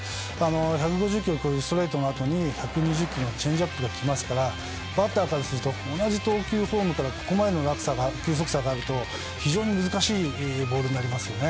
１５０キロを超えるストレートの後１２０キロのチェンジアップなのでバッターからすると同じ投球フォームからここまでの球速差があると非常に難しいボールになりますね。